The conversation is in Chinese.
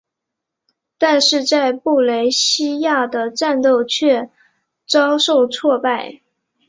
但是在布雷西亚的战斗却遭受挫败。